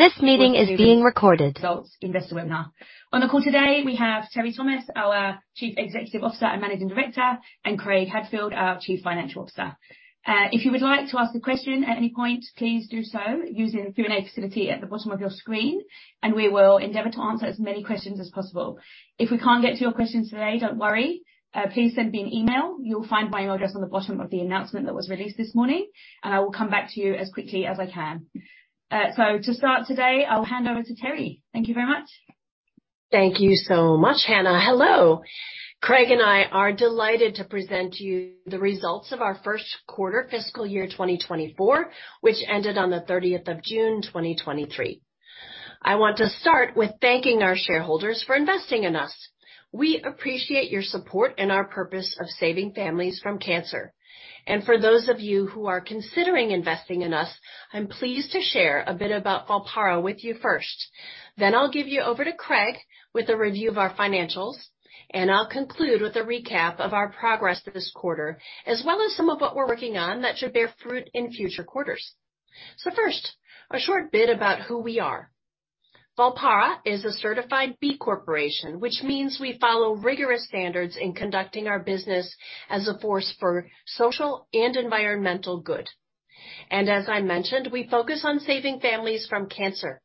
This meeting is being recorded. Results investor webinar. On the call today, we have Teri Thomas, our Chief Executive Officer and Managing Director, and Craig Hadfield, our Chief Financial Officer. If you would like to ask a question at any point, please do so using the Q&A facility at the bottom of your screen, and we will endeavor to answer as many questions as possible. If we can't get to your questions today, don't worry. Please send me an email. You'll find my address on the bottom of the announcement that was released this morning, and I will come back to you as quickly as I can. To start today, I'll hand over to Teri. Thank you very much. Thank you so much, Hannah. Hello. Craig and I are delighted to present to you the results of our first quarter fiscal year 2024, which ended on the 30th of June, 2023. I want to start with thanking our shareholders for investing in us. We appreciate your support and our purpose of saving families from cancer. For those of you who are considering investing in us, I'm pleased to share a bit about Volpara with you first. I'll give you over to Craig with a review of our financials, and I'll conclude with a recap of our progress this quarter, as well as some of what we're working on that should bear fruit in future quarters. First, a short bit about who we are. Volpara is a Certified B Corporation, which means we follow rigorous standards in conducting our business as a force for social and environmental good. As I mentioned, we focus on saving families from cancer.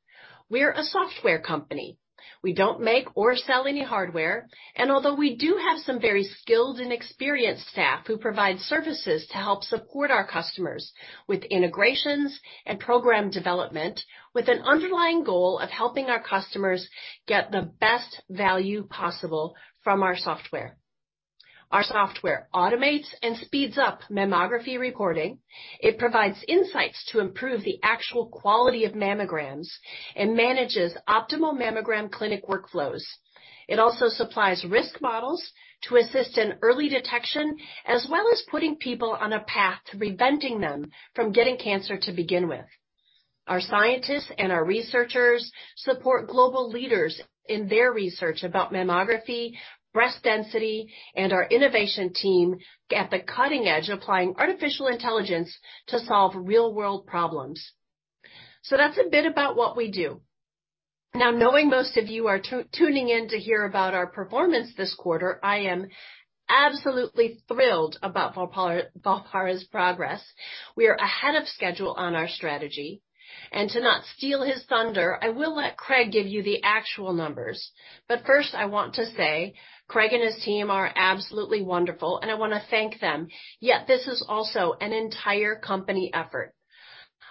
We're a software company. We don't make or sell any hardware, and although we do have some very skilled and experienced staff who provide services to help support our customers with integrations and program development, with an underlying goal of helping our customers get the best value possible from our software. Our software automates and speeds up mammography recording. It provides insights to improve the actual quality of mammograms and manages optimal mammogram clinic workflows. It also supplies risk models to assist in early detection, as well as putting people on a path to preventing them from getting cancer to begin with. Our scientists and our researchers support global leaders in their research about mammography, breast density, and our innovation team at the cutting edge, applying artificial intelligence to solve real world problems. That's a bit about what we do. Knowing most of you are tuning in to hear about our performance this quarter, I am absolutely thrilled about Volpara's progress. We are ahead of schedule on our strategy. To not steal his thunder, I will let Craig give you the actual numbers. First, I want to say, Craig and his team are absolutely wonderful, and I want to thank them. This is also an entire company effort.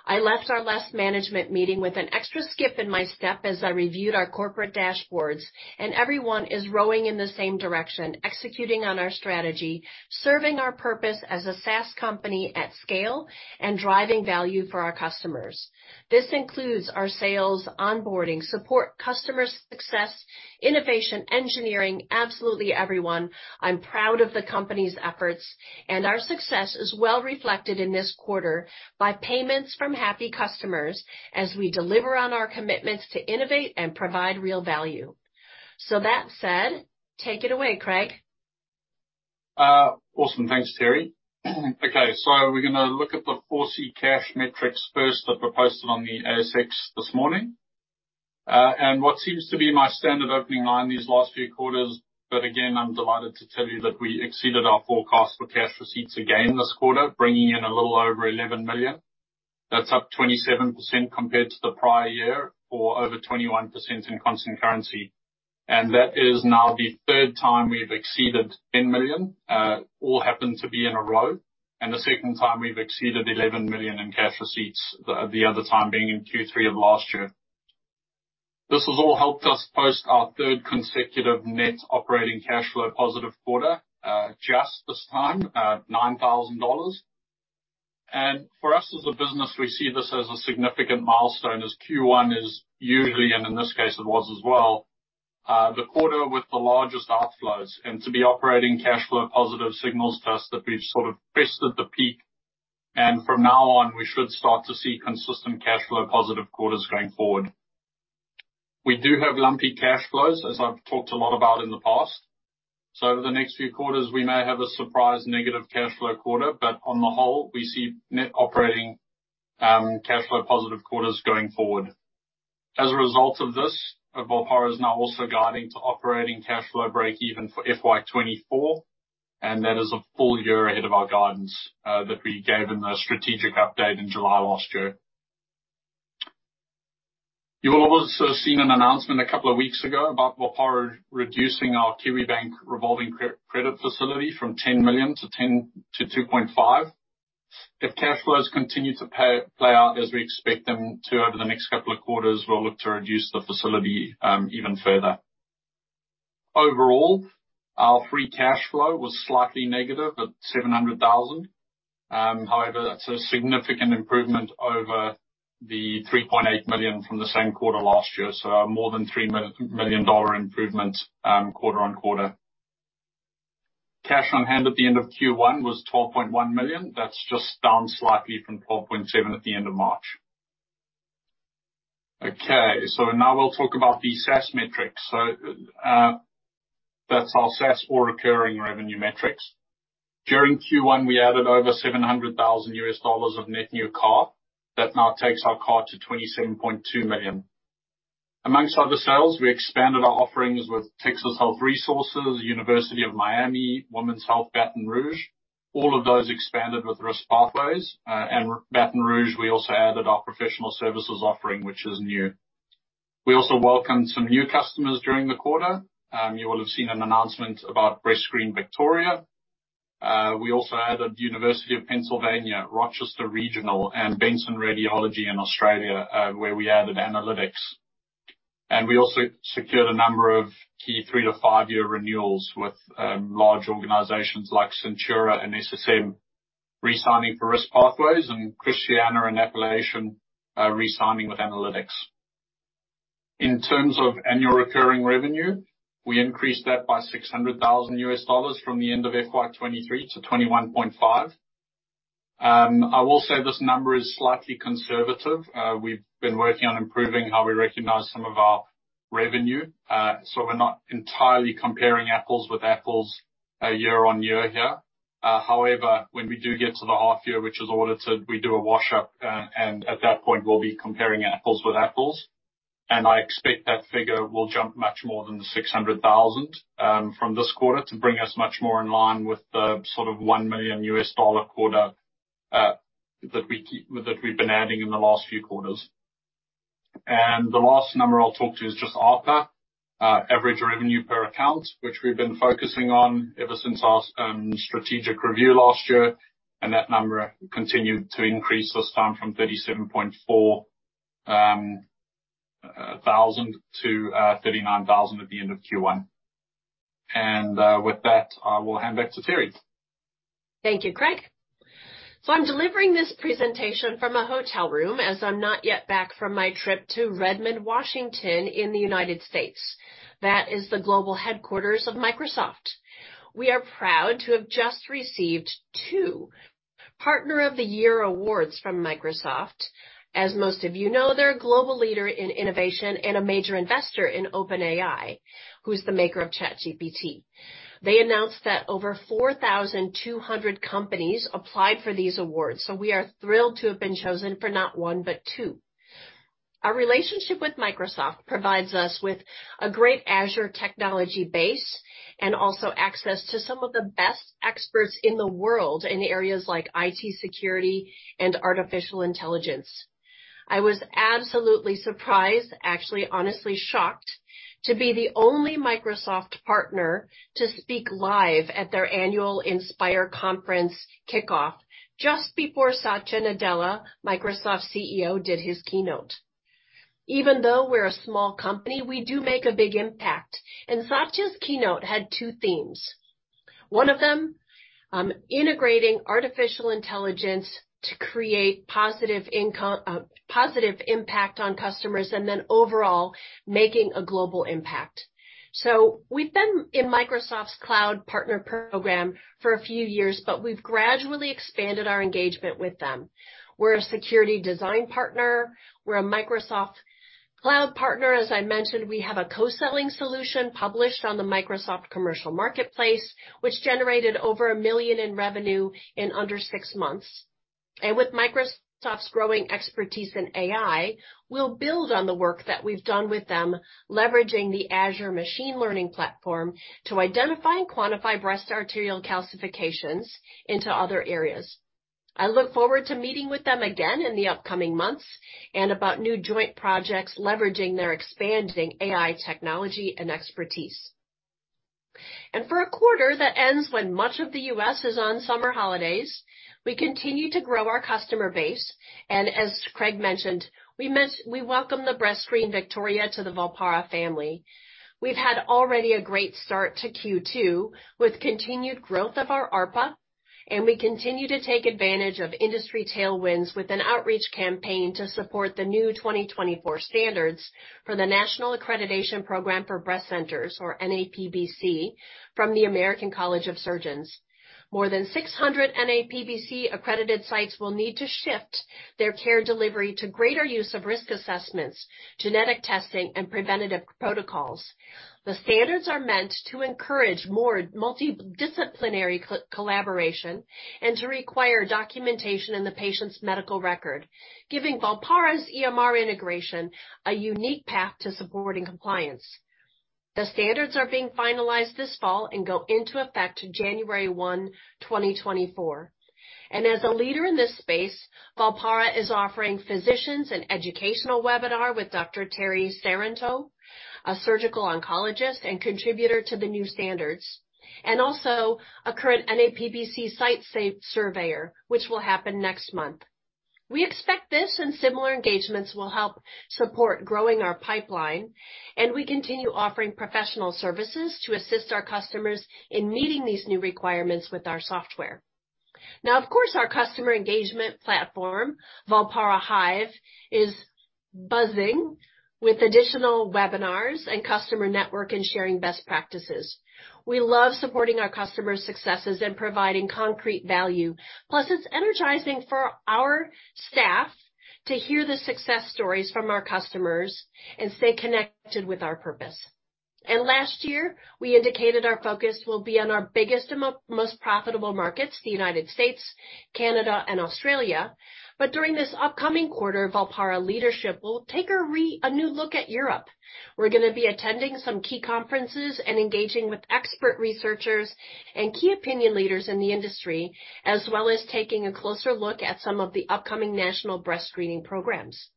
I left our last management meeting with an extra skip in my step as I reviewed our corporate dashboards, and everyone is rowing in the same direction, executing on our strategy, serving our purpose as a SaaS company at scale, and driving value for our customers. This includes our sales, onboarding, support, customer success, innovation, engineering, absolutely everyone. I'm proud of the company's efforts, and our success is well reflected in this quarter by payments from happy customers as we deliver on our commitments to innovate and provide real value. That said, take it away, Craig. Awesome. Thanks, Teri. We're going to look at the 4C cash metrics first, that were posted on the ASX this morning. What seems to be my standard opening line these last few quarters, but again, I'm delighted to tell you that we exceeded our forecast for cash receipts again this quarter, bringing in a little over 11 million. That's up 27% compared to the prior year, or over 21% in constant currency. That is now the third time we've exceeded 10 million, all happened to be in a row, and the second time we've exceeded 11 million in cash receipts, the other time being in Q3 of last year. This has all helped us post our third consecutive net operating cash flow positive quarter, just this time, 9,000 dollars. For us, as a business, we see this as a significant milestone, as Q1 is usually, and in this case it was as well, the quarter with the largest outflows. To be operating cash flow positive signals to us that we've sort of crested the peak, and from now on, we should start to see consistent cash flow positive quarters going forward. We do have lumpy cash flows, as I've talked a lot about in the past. Over the next few quarters, we may have a surprise negative cash flow quarter, but on the whole, we see net operating cash flow positive quarters going forward. As a result of this, Volpara is now also guiding to operating cash flow break even for FY 2024. That is a full year ahead of our guidance that we gave in the strategic update in July last year. You will also have seen an announcement a couple of weeks ago about Volpara reducing our Kiwibank revolving credit facility from 10 million-2.5 million. If cash flows continue to play out as we expect them to over the next couple of quarters, we'll look to reduce the facility even further. Overall, our free cash flow was slightly at -700,000. However, that's a significant improvement over the 3.8 million from the same quarter last year, so a more than 3 million dollar improvement quarter-on-quarter. Cash on hand at the end of Q1 was 12.1 million. That's just down slightly from 12.7 million at the end of March. Now we'll talk about the SaaS metrics. That's our SaaS or recurring revenue metrics. During Q1, we added over $700,000 of net new ARR. That now takes our ARR to $27.2 million. Amongst other sales, we expanded our offerings with Texas Health Resources, University of Miami, Woman's Hospital Baton Rouge. All of those expanded with Risk Pathways. And Baton Rouge, we also added our professional services offering, which is new. We also welcomed some new customers during the quarter. You will have seen an announcement about BreastScreen Victoria. We also added University of Pennsylvania, Rochester Regional, and Benson Radiology in Australia, where we added analytics. We also secured a number of key three to five-year renewals with large organizations like Centura and SSM, re-signing for Risk Pathways, and Christiana and Appalachian, re-signing with Analytics. In terms of annual recurring revenue, we increased that by $600,000 from the end of FY 2023 to $21.5 million. I will say this number is slightly conservative. We've been working on improving how we recognize some of our revenue, so we're not entirely comparing apples with apples, year-over-year here. However, when we do get to the half year, which is audited, we do a wash up, and at that point, we'll be comparing apples with apples. I expect that figure will jump much more than the $600,000 from this quarter, to bring us much more in line with the sort of $1 million quarter that we've been adding in the last few quarters. The last number I'll talk to is just ARPA, average revenue per account, which we've been focusing on ever since our strategic review last year. That number continued to increase, this time from $37,400-$39,000 at the end of Q1. With that, I will hand back to Teri. Thank you, Craig. I'm delivering this presentation from a hotel room, as I'm not yet back from my trip to Redmond, Washington, in the United States. That is the global headquarters of Microsoft. We are proud to have just received two Partner of the Year awards from Microsoft. As most of you know, they're a global leader in innovation and a major investor in OpenAI, who is the maker of ChatGPT. They announced that over 4,200 companies applied for these awards, we are thrilled to have been chosen for not one, but two. Our relationship with Microsoft provides us with a great Azure technology base and also access to some of the best experts in the world in areas like IT security and artificial intelligence. I was absolutely surprised, actually, honestly shocked, to be the only Microsoft partner to speak live at their annual Microsoft Inspire kickoff, just before Satya Nadella, Microsoft's CEO, did his keynote. Even though we're a small company, we do make a big impact, and Satya's keynote had two themes. One of them, integrating artificial intelligence to create positive impact on customers, and then overall, making a global impact. We've been in Microsoft's Cloud Partner Program for a few years, but we've gradually expanded our engagement with them. We're a security design partner. We're a Microsoft Cloud Partner. As I mentioned, we have a co-selling solution published on the Microsoft commercial marketplace, which generated over $1 million in revenue in under six months. With Microsoft's growing expertise in AI, we'll build on the work that we've done with them, leveraging the Azure Machine Learning platform to identify and quantify breast arterial calcifications into other areas. I look forward to meeting with them again in the upcoming months, and about new joint projects leveraging their expanding AI technology and expertise. For a quarter that ends when much of the U.S. is on summer holidays, we continue to grow our customer base, and as Craig mentioned, we welcome BreastScreen Victoria to the Volpara family. We've had already a great start to Q2 with continued growth of our ARPA. We continue to take advantage of industry tailwinds with an outreach campaign to support the new 2024 standards for the National Accreditation Program for Breast Centers, or NAPBC, from the American College of Surgeons. More than 600 NAPBC accredited sites will need to shift their care delivery to greater use of risk assessments, genetic testing, and preventative protocols. The standards are meant to encourage more multidisciplinary collaboration and to require documentation in the patient's medical record, giving Volpara's EMR integration a unique path to supporting compliance. The standards are being finalized this fall and go into effect January 1, 2024. As a leader in this space, Volpara is offering physicians an educational webinar with Dr. Terry Sarantou, a surgical oncologist and contributor to the new standards, and also a current NAPBC site surveyor, which will happen next month. We expect this and similar engagements will help support growing our pipeline, and we continue offering professional services to assist our customers in meeting these new requirements with our software. Of course, our customer engagement platform, Volpara Hive, is buzzing. With additional webinars and customer network and sharing best practices. We love supporting our customers' successes and providing concrete value, plus it's energizing for our staff to hear the success stories from our customers and stay connected with our purpose. Last year, we indicated our focus will be on our biggest and most profitable markets, the United States, Canada, and Australia. During this upcoming quarter, Volpara leadership will take a new look at Europe. We're going to be attending some key conferences and engaging with expert researchers and key opinion leaders in the industry, as well as taking a closer look at some of the upcoming national breast screening programs.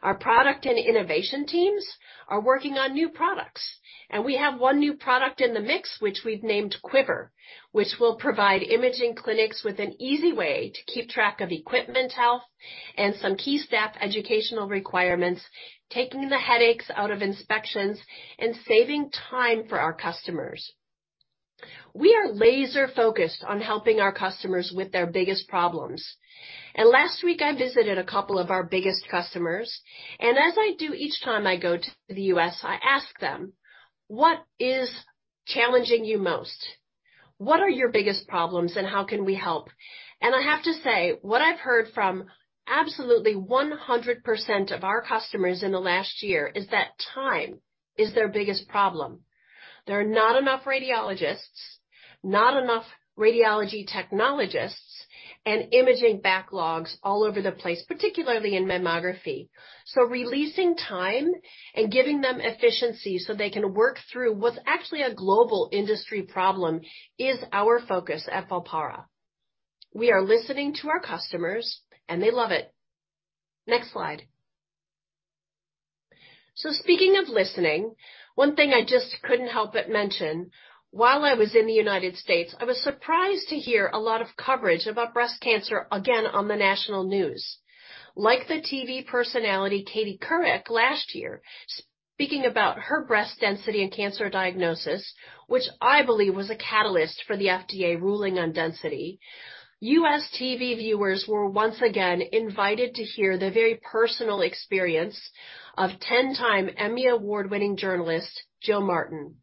Our product and innovation teams are working on new products, we have one new product in the mix, which we've named Quiver, which will provide imaging clinics with an easy way to keep track of equipment health and some key staff educational requirements, taking the headaches out of inspections and saving time for our customers. We are laser focused on helping our customers with their biggest problems. Last week, I visited a couple of our biggest customers, as I do each time I go to the U.S., I ask them: What is challenging you most? What are your biggest problems, how can we help? I have to say, what I've heard from absolutely 100% of our customers in the last year, is that time is their biggest problem. There are not enough radiologists, not enough radiology technologists, and imaging backlogs all over the place, particularly in mammography. Releasing time and giving them efficiency, so they can work through what's actually a global industry problem, is our focus at Volpara. We are listening to our customers, and they love it. Next slide. Speaking of listening, one thing I just couldn't help but mention. While I was in the United States, I was surprised to hear a lot of coverage about breast cancer again on the national news. Like the TV personality, Katie Couric, last year, speaking about her breast density and cancer diagnosis, which I believe was a catalyst for the FDA ruling on density. U.S. TV viewers were once again invited to hear the very personal experience of 10-time Emmy Award-winning journalist, Jill Martin.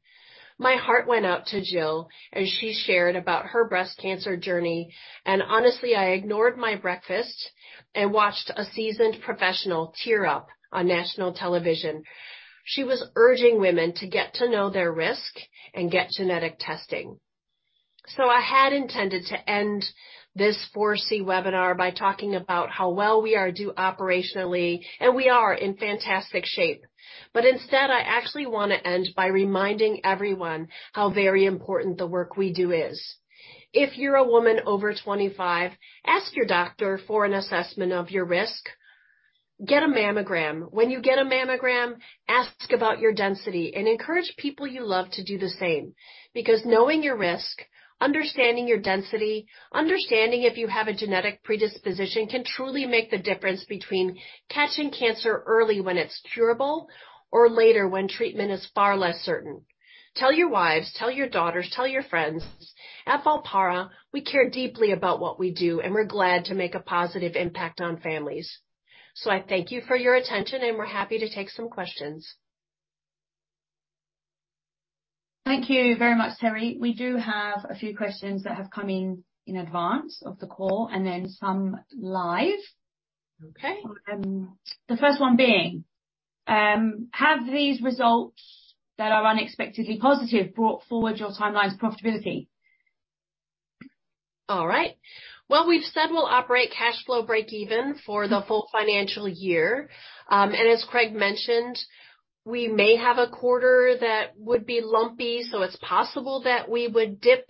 My heart went out to Jill as she shared about her breast cancer journey. Honestly, I ignored my breakfast and watched a seasoned professional tear up on national television. She was urging women to get to know their risk and get genetic testing. I had intended to end this 4C webinar by talking about how well we are do operationally, and we are in fantastic shape. Instead, I actually want to end by reminding everyone how very important the work we do is. If you're a woman over 25, ask your doctor for an assessment of your risk. Get a mammogram. When you get a mammogram, ask about your density and encourage people you love to do the same. Because knowing your risk, understanding your density, understanding if you have a genetic predisposition, can truly make the difference between catching cancer early when it's curable, or later when treatment is far less certain. Tell your wives, tell your daughters, tell your friends. At Volpara, we care deeply about what we do, and we're glad to make a positive impact on families. I thank you for your attention, and we're happy to take some questions. Thank you very much, Teri. We do have a few questions that have come in advance of the call and then some live. Okay. The first one being, have these results that are unexpectedly positive, brought forward your timeline's profitability? All right. Well, we've said we'll operate cash flow break even for the full financial year. As Craig mentioned, we may have a quarter that would be lumpy, so it's possible that we would dip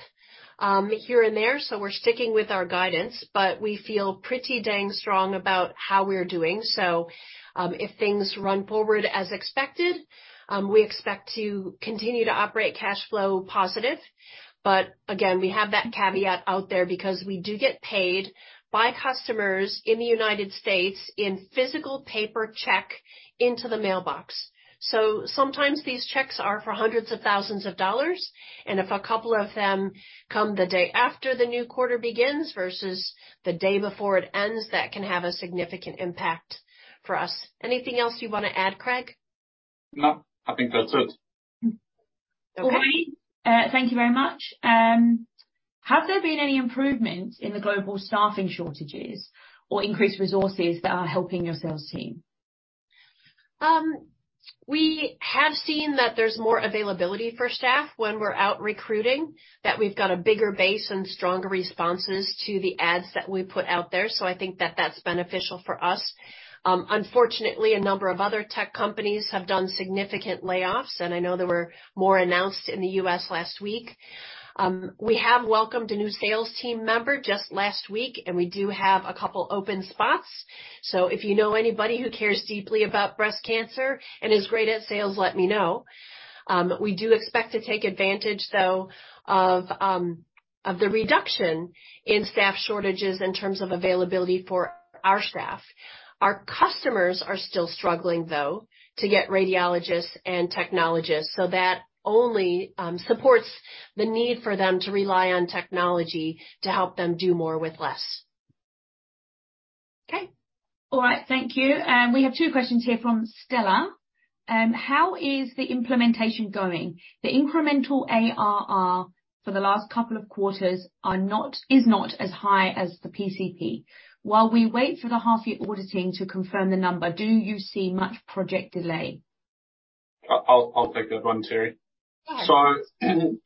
here and there, so we're sticking with our guidance, but we feel pretty dang strong about how we're doing. If things run forward as expected, we expect to continue to operate cash flow positive. Again, we have that caveat out there because we do get paid by customers in the United States in physical paper check into the mailbox. Sometimes these checks are for hundreds of thousands of dollars, and if a couple of them come the day after the new quarter begins versus the day before it ends, that can have a significant impact for us. Anything else you want to add, Craig? No, I think that's it. Okay. All right. Thank you very much. Has there been any improvement in the global staffing shortages or increased resources that are helping your sales team? We have seen that there's more availability for staff when we're out recruiting, that we've got a bigger base and stronger responses to the ads that we put out there, so I think that that's beneficial for us. Unfortunately, a number of other tech companies have done significant layoffs, and I know there were more announced in the U.S. last week. We have welcomed a new sales team member just last week, and we do have a couple open spots. If you know anybody who cares deeply about breast cancer and is great at sales, let me know. We do expect to take advantage, though, of the reduction in staff shortages in terms of availability for our staff. Our customers are still struggling, though, to get radiologists and technologists, so that only supports the need for them to rely on technology to help them do more with less. Okay. All right, thank you. We have two questions here from Stella. How is the implementation going? The incremental ARR for the last couple of quarters is not as high as the PCP. While we wait for the half-year auditing to confirm the number, do you see much project delay? I'll take that one, Teri. Yeah.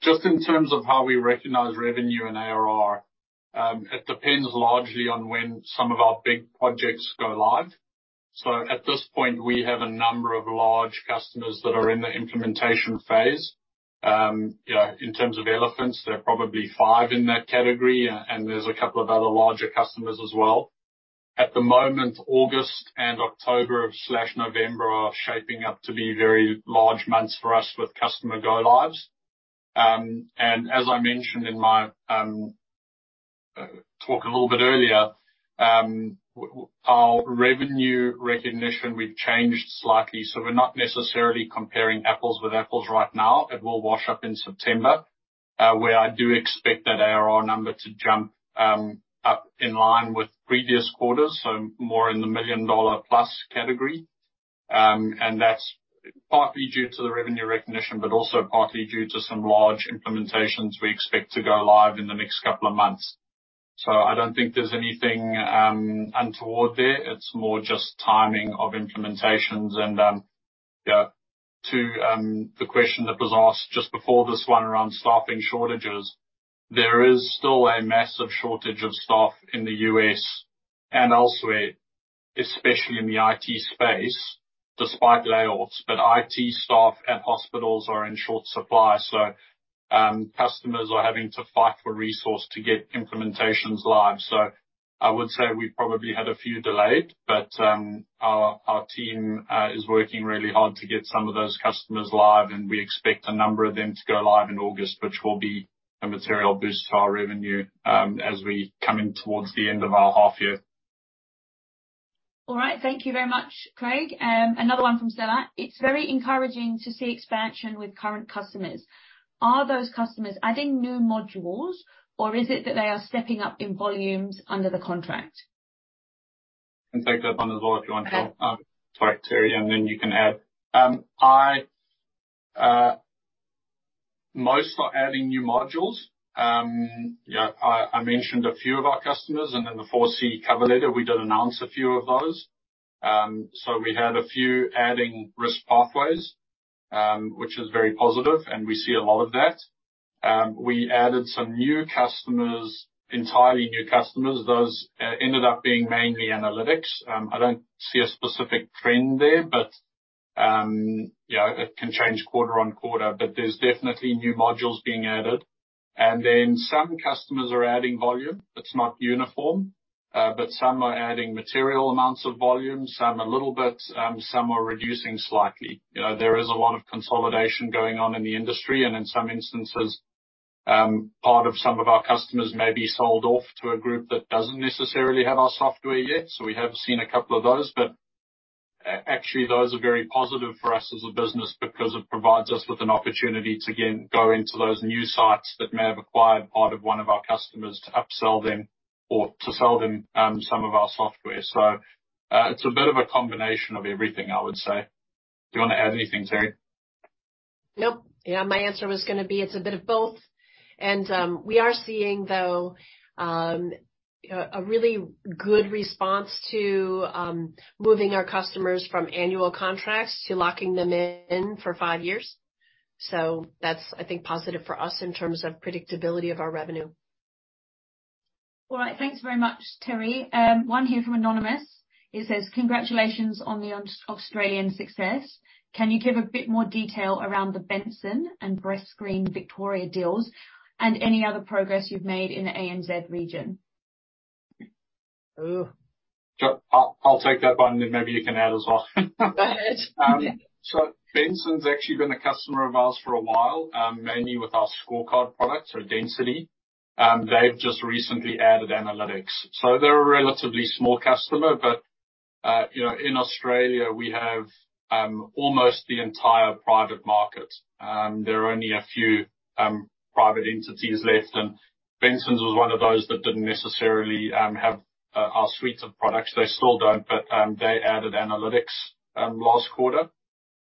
Just in terms of how we recognize revenue and ARR, it depends largely on when some of our big projects go live. At this point, we have a number of large customers that are in the implementation phase. You know, in terms of elephants, there are probably five in that category, and there's a couple of other larger customers as well. At the moment, August and October/November are shaping up to be very large months for us with customer go lives. As I mentioned in my talk a little bit earlier, our revenue recognition, we've changed slightly, so we're not necessarily comparing apples with apples right now. It will wash up in September, where I do expect that ARR number to jump up in line with previous quarters, so more in the $1 million plus category. That's partly due to the revenue recognition, but also partly due to some large implementations we expect to go live in the next couple of months. I don't think there's anything untoward there. It's more just timing of implementations. Yeah, to the question that was asked just before this one around staffing shortages, there is still a massive shortage of staff in the U.S. and elsewhere, especially in the IT space, despite layoffs. IT staff at hospitals are in short supply, so customers are having to fight for resource to get implementations live. I would say we've probably had a few delayed, but our team is working really hard to get some of those customers live, and we expect a number of them to go live in August, which will be a material boost to our revenue, as we come in towards the end of our half year. All right. Thank you very much, Craig. Another one from Stella. It's very encouraging to see expansion with current customers. Are those customers adding new modules, or is it that they are stepping up in volumes under the contract? Can take that one as well, if you want, Teri. Okay. Sorry, Teri, then you can add. Most are adding new modules. I mentioned a few of our customers, in the 4C cover letter, we did announce a few of those. We had a few adding Risk Pathways, which is very positive, we see a lot of that. We added some new customers, entirely new customers. Those ended up being mainly analytics. I don't see a specific trend there, you know, it can change quarter on quarter, there's definitely new modules being added. Some customers are adding volume. It's not uniform, some are adding material amounts of volume, some a little bit, some are reducing slightly. You know, there is a lot of consolidation going on in the industry, and in some instances, part of some of our customers may be sold off to a group that doesn't necessarily have our software yet. We have seen a couple of those, but actually, those are very positive for us as a business because it provides us with an opportunity to, again, go into those new sites that may have acquired part of one of our customers, to upsell them or to sell them, some of our software. It's a bit of a combination of everything, I would say. Do you want to add anything, Teri? Nope. Yeah, my answer was gonna be, it's a bit of both. We are seeing, though, a really good response to moving our customers from annual contracts to locking them in for five years. That's, I think, positive for us in terms of predictability of our revenue. All right. Thanks very much, Teri. One here from Anonymous. It says, "Congratulations on the Australian success. Can you give a bit more detail around the Benson and BreastScreen Victoria deals and any other progress you've made in the ANZ region? Oh. Sure. I'll take that one, and maybe you can add as well. Go ahead. Benson's actually been a customer of ours for a while, mainly with our Volpara Scorecard product or density. They've just recently added VolparaAnalytics. They're a relatively small customer, but, you know, in Australia, we have almost the entire private market. There are only a few private entities left, and Bensons was one of those that didn't necessarily have our suites of products. They still don't, they added VolparaAnalytics last quarter,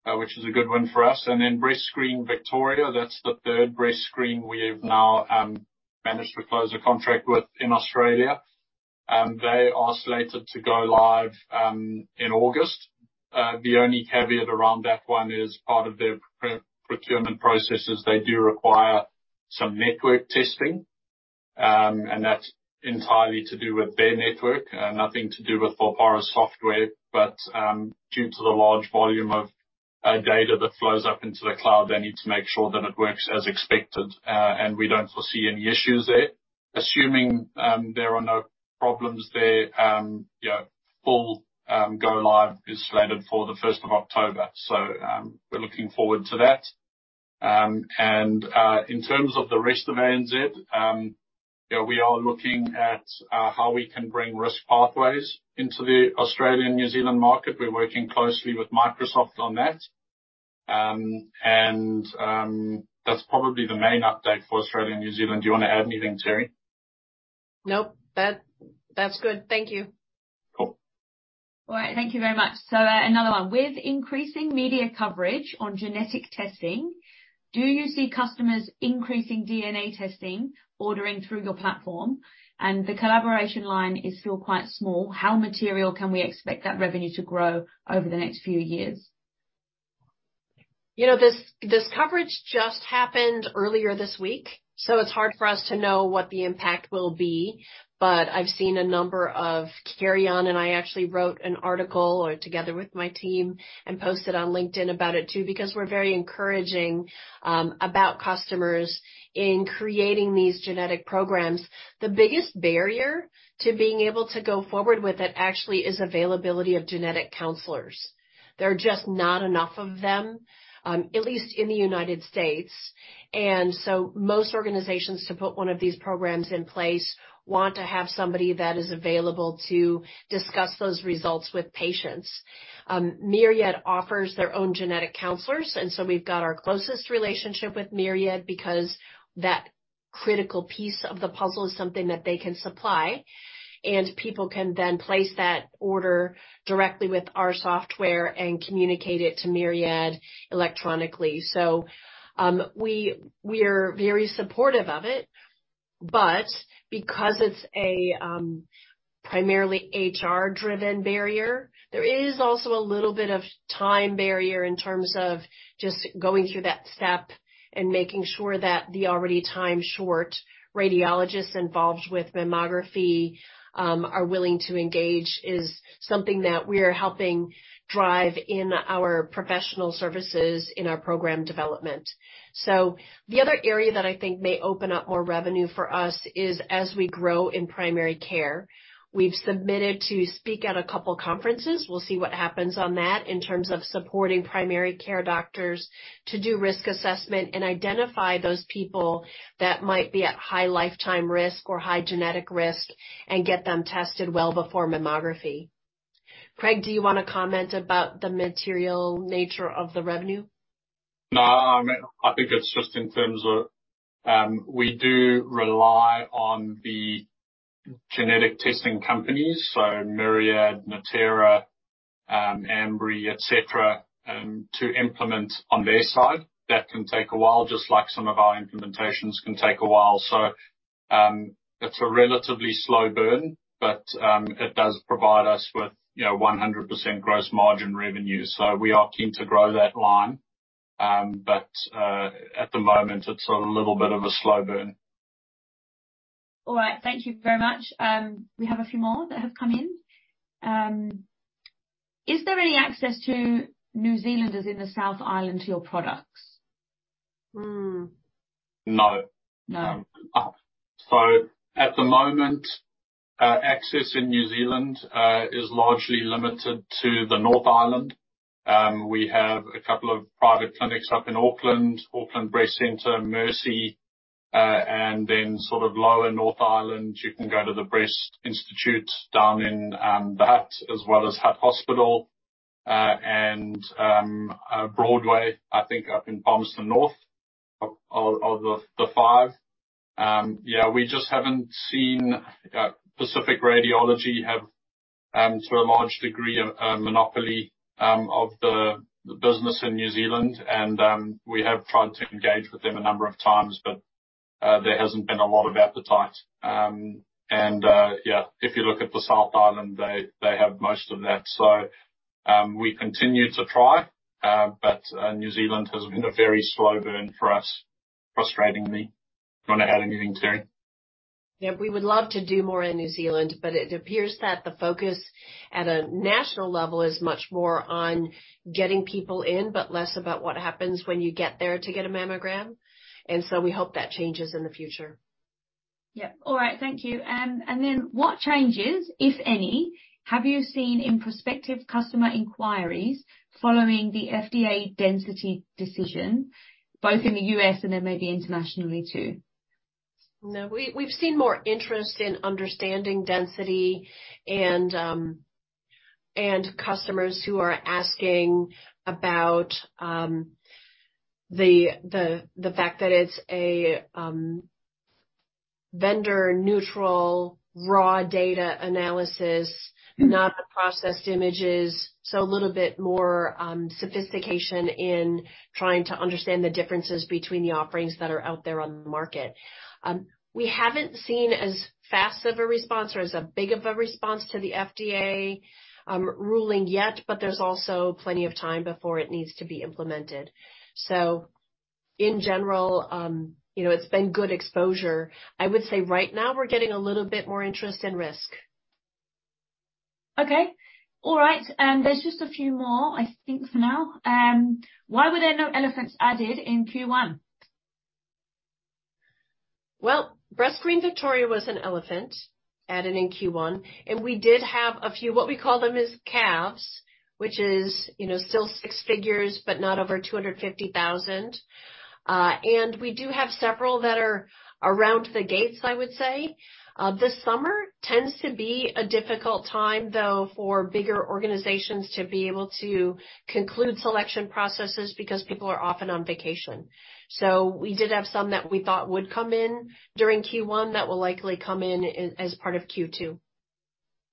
which is a good win for us. BreastScreen Victoria, that's the third BreastScreen we've now managed to close a contract with in Australia. They are slated to go live in August. The only caveat around that one is, part of their procurement processes, they do require some network testing. That's entirely to do with their network, nothing to do with Volpara's software. Due to the large volume of data that flows up into the cloud, they need to make sure that it works as expected. We don't foresee any issues there. Assuming there are no problems there, you know, full go live is slated for the 1st of October. We're looking forward to that. In terms of the rest of ANZ, you know, we are looking at how we can bring Risk Pathways into the Australian, New Zealand market. We're working closely with Microsoft on that. That's probably the main update for Australia and New Zealand. Do you want to add anything, Teri? Nope. That's good. Thank you. Cool. All right. Thank you very much. Another one: With increasing media coverage on genetic testing, do you see customers increasing DNA testing ordering through your platform? The collaboration line is still quite small. How material can we expect that revenue to grow over the next few years? You know, this coverage just happened earlier this week, so it's hard for us to know what the impact will be. I've seen a number of [Teri-Ann] and I actually wrote an article, or together with my team, and posted on LinkedIn about it, too, because we're very encouraging about customers in creating these genetic programs. The biggest barrier to being able to go forward with it, actually, is availability of genetic counselors. There are just not enough of them, at least in the United States. Most organizations, to put one of these programs in place, want to have somebody that is available to discuss those results with patients. Myriad offers their own genetic counselors, we've got our closest relationship with Myriad because that critical piece of the puzzle is something that they can supply. People can then place that order directly with our software and communicate it to Myriad electronically. We're very supportive of it. Because it's a primarily HR-driven barrier, there is also a little bit of time barrier in terms of just going through that step and making sure that the already time-short radiologists involved with mammography are willing to engage, is something that we are helping drive in our professional services in our program development. The other area that I think may open up more revenue for us is, as we grow in primary care. We've submitted to speak at a couple conferences. We'll see what happens on that in terms of supporting primary care doctors to do risk assessment and identify those people that might be at high lifetime risk or high genetic risk and get them tested well before mammography. Craig, do you want to comment about the material nature of the revenue? I think it's just in terms of, we do rely on the genetic testing companies, so Myriad, Natera, Ambry, et cetera, to implement on their side. That can take a while, just like some of our implementations can take a while. It's a relatively slow burn, but, it does provide us with, you know, 100% gross margin revenue. We are keen to grow that line. At the moment, it's a little bit of a slow burn. All right. Thank you very much. We have a few more that have come in. Is there any access to New Zealanders in the South Island to your products? Hmm. No. No. At the moment, access in New Zealand is largely limited to the North Island. We have a couple of private clinics up in Auckland, Auckland Breast Centre, Mercy. Sort of lower North Island, you can go to the Breast Institute down in the Hutt, as well as Hutt Hospital. Broadway, I think, up in Palmerston North, are the five. We just haven't seen Pacific Radiology have to a large degree a monopoly of the business in New Zealand, we have tried to engage with them a number of times, there hasn't been a lot of appetite. If you look at the South Island, they have most of that. We continue to try, but, New Zealand has been a very slow burn for us, frustratingly. Do you want to add anything, Teri? We would love to do more in New Zealand, but it appears that the focus at a national level is much more on getting people in, but less about what happens when you get there to get a mammogram. We hope that changes in the future. Yep. All right, thank you. What changes, if any, have you seen in prospective customer inquiries following the FDA density decision, both in the U.S. and then maybe internationally, too? No, we've seen more interest in understanding density and customers who are asking about the fact that it's a vendor-neutral, raw data analysis, not the processed images. A little bit more sophistication in trying to understand the differences between the offerings that are out there on the market. We haven't seen as fast of a response or as big of a response to the FDA ruling yet, but there's also plenty of time before it needs to be implemented. In general, you know, it's been good exposure. I would say right now, we're getting a little bit more interest in risk. Okay. All right, there's just a few more, I think, for now. Why were there no elephants added in Q1? Well, BreastScreen Victoria was an elephant added in Q1, and we did have a few. What we call them is calves, which is, you know, still six figures, but not over 250,000. We do have several that are around the gates, I would say. This summer tends to be a difficult time, though, for bigger organizations to be able to conclude selection processes because people are often on vacation. We did have some that we thought would come in during Q1 that will likely come in as part of Q2.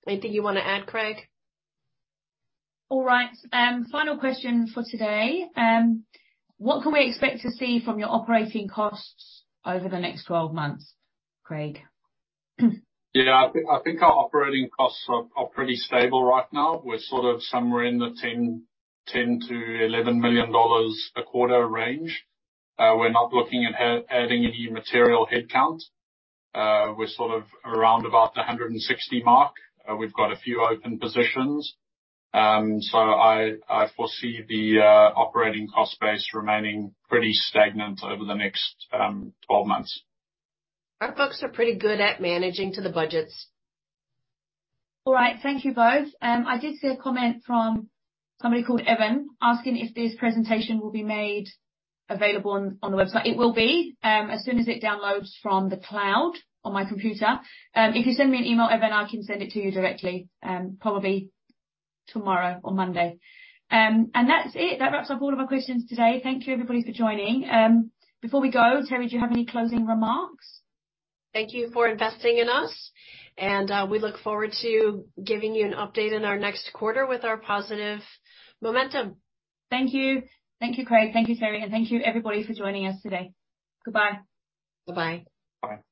Anything you want to add, Craig? All right. Final question for today. What can we expect to see from your operating costs over the next 12 months, Craig? Yeah. I think our operating costs are pretty stable right now. We're sort of somewhere in the 10 million-11 million dollars a quarter range. We're not looking at adding any material headcount. We're sort of around about the 160 mark. We've got a few open positions. I foresee the operating cost base remaining pretty stagnant over the next 12 months. Our folks are pretty good at managing to the budgets. All right. Thank you both. I did see a comment from somebody called Evan, asking if this presentation will be made available on the website. It will be, as soon as it downloads from the cloud on my computer. If you send me an email, Evan, I can send it to you directly, probably tomorrow or Monday. That's it. That wraps up all of our questions today. Thank you, everybody, for joining. Before we go, Teri, do you have any closing remarks? Thank you for investing in us, and, we look forward to giving you an update in our next quarter with our positive momentum. Thank you. Thank you, Craig. Thank you, Teri, and thank you, everybody, for joining us today. Goodbye. Bye-bye. Bye.